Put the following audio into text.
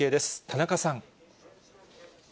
田中さん。